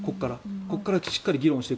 ここからしっかり議論していく。